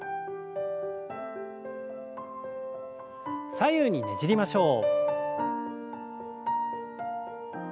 左右にねじりましょう。